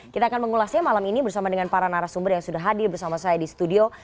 kita akan mengulasnya malam ini bersama dengan para narasumber yang sudah hadir bersama saya di studio